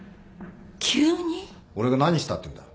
俺が何したっていうんだ